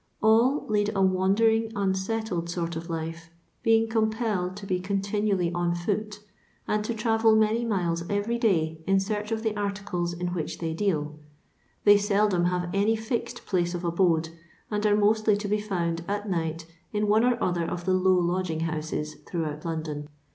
All lead a wandering, unsettled sort of Ufe^ being compelled to be continually on foot, and to ttav^ nuiny miles every day in search of the artidet in which they deal They seldom have any fixed pkce of abode, and are mostly to be found at night in one or other of the low lodgixig honses throughout London.